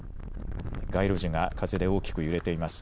街路樹が風で大きく揺れています。